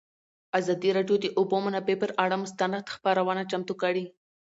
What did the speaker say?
ازادي راډیو د د اوبو منابع پر اړه مستند خپرونه چمتو کړې.